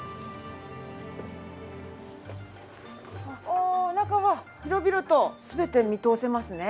おお中は広々と全て見通せますね。